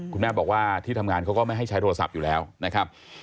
คุณแม่บอกว่าที่ทำงานเขาก็ไม่ให้ใช้โทรศัพท์อยู่แล้วนะครับ